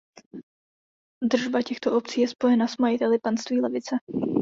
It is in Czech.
Držba těchto obcí je spojena s majiteli panství Levice.